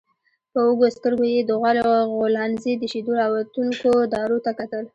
په وږو سترګويې د غوا له غولانځې د شيدو راوتونکو دارو ته کتل.